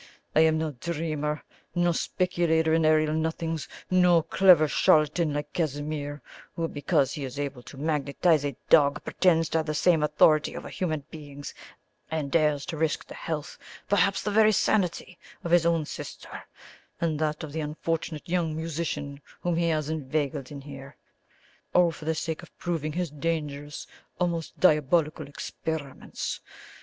I am no dreamer; no speculator in aerial nothings; no clever charlatan like Casimir, who, because he is able to magnetize a dog, pretends to the same authority over human beings, and dares to risk the health, perhaps the very sanity, of his own sister, and that of the unfortunate young musician whom he has inveigled in here, all for the sake of proving his dangerous, almost diabolical, experiments.